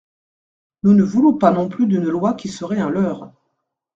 Nous ne voulons pas non plus d’une loi qui serait un leurre.